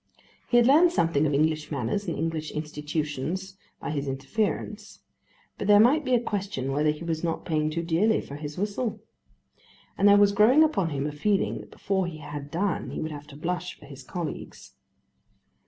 He had learned something of English manners and English institutions by his interference, but there might be a question whether he was not paying too dearly for his whistle. And there was growing upon him a feeling that before he had done he would have to blush for his colleagues.